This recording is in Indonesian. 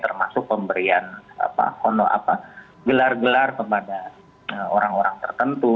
termasuk pemberian gelar gelar kepada orang orang tertentu